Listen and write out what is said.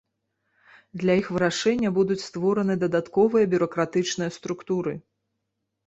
Для іх вырашэння будуць створаны дадатковыя бюракратычныя структуры.